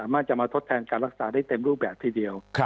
น่าจะมาทดแทนการรักษาได้เต็มรูปแบบทีเดียว